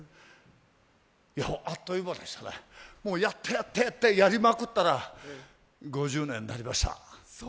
いや、あっという間でしたねもうやって、やって、やりまくったら５０年になりました。